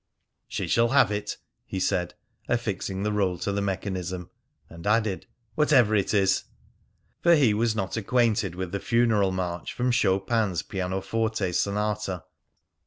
"She shall have it," he said, affixing the roll to the mechanism. And added, "Whatever it is!" For he was not acquainted with the Funeral March from Chopin's Pianoforte Sonata.